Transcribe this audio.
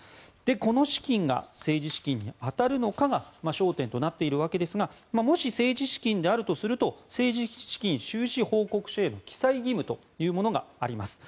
この資金が政治資金に当たるのかが焦点となっているわけですがもし政治資金であるとすると政治資金収支報告書への記載義務というものがあります。